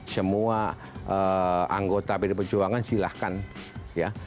semua anggota pdi perjuangan silahkan ya